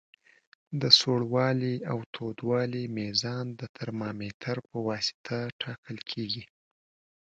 د سوړوالي او تودوالي میزان د ترمامتر پواسطه ټاکل کیږي.